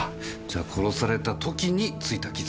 じゃ殺された時についた傷？